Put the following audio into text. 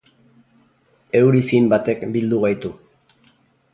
Euri fin batek bildu gaitu.